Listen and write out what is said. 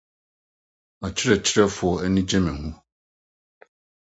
M'akyerɛkyerɛfo ani gye me ho.